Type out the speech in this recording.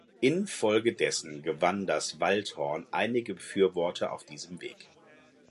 Infolgedessen gewann das Waldhorn einige Befürworter auf diesem Weg.